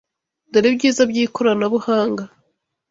Dore ibyiza by’ikoranabuhanga!